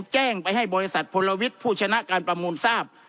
แจ้งไปให้บริษัทพลวิทย์ผู้ชนะการประมูลทราบ